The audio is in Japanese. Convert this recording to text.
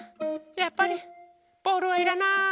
やっぱりボールはいらない。